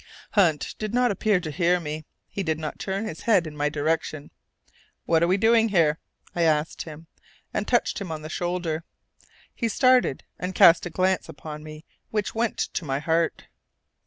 Hunt did not appear to hear me; he did not turn his head in my direction. "What are we doing here?" I asked him, and touched him on the shoulder. He started, and cast a glance upon me which went to my heart.